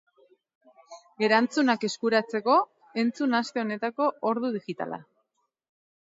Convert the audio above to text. Erantzunak eskuratzeko, entzun aste honetako ordu digitala.